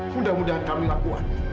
mudah mudahan kamila kuat